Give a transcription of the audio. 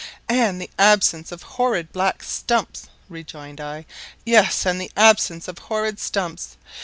"And the absence of horrid black stumps," rejoined I. "Yes, and the absence of horrid stumps.